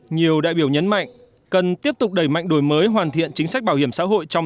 nhiều đại biểu nhấn mạnh cần tiếp tục đẩy mạnh đổi mới hoàn thiện chính sách bảo hiểm xã hội trong